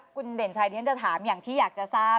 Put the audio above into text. คุณเด่นชัยที่ฉันจะถามอย่างที่อยากจะทราบ